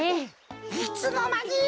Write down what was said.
いつのまに！？